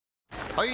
・はい！